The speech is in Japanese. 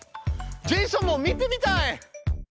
ジェイソンも見てみたい！